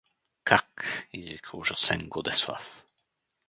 — Как? — извика ужасен Годеслав.